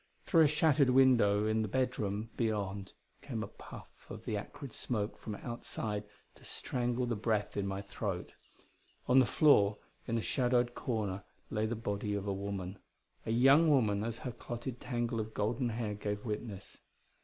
Through a shattered window in the bed room beyond came a puff of the acrid smoke from outside to strangle the breath in my throat. On the floor in a shadowed corner lay the body of a woman a young woman as her clotted tangle of golden hair gave witness.